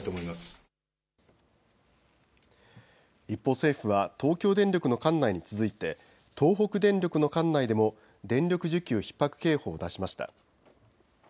一方、政府は東京電力の管内に続いて東北電力の管内でも電力需給ひっ迫警報を出しました。